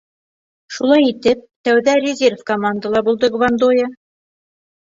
Шулай итеп, тәүҙә резерв командала булды Гвандоя.